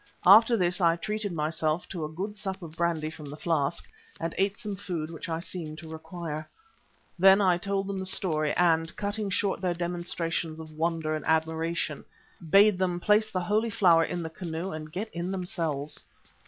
After this I treated myself to a good sup of brandy from the flask, and ate some food which I seemed to require. Then I told them the story, and cutting short their demonstrations of wonder and admiration, bade them place the Holy Flower in the canoe and get in themselves.